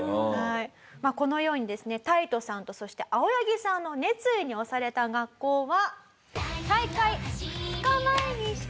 このようにですねタイトさんとそして青柳さんの熱意に押された学校は。